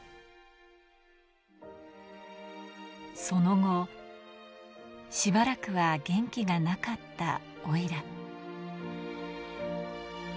その後、しばらくは元気がなかったオイラ。